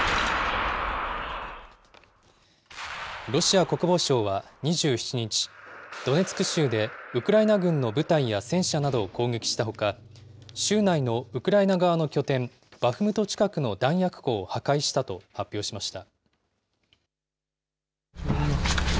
ロシア国防省は２７日、ドネツク州でウクライナ軍の部隊や戦車などを攻撃したほか、州内のウクライナ側の拠点、バフムト近くの弾薬庫を破壊したと発表しました。